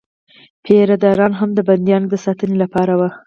پیره داران هم د بندیانو د ساتنې لپاره وو.